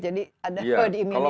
jadi ada keadaan imunitas secara alami